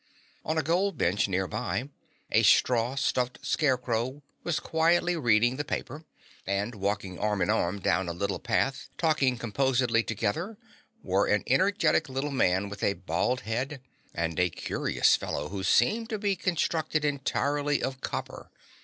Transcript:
On a gold bench nearby, a straw stuffed scarecrow was quietly reading the paper, and walking arm in arm down a little path talking composedly together were an energetic little man with a bald head and a curious fellow who seemed to be constructed entirely of copper.